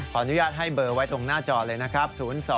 อนุญาตให้เบอร์ไว้ตรงหน้าจอเลยนะครับ